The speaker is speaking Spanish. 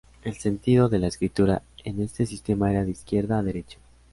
El sentido de la escritura en este sistema era de izquierda a derecha.